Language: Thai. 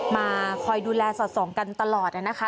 มาคอยดูแลสอดส่องกันตลอดนะคะ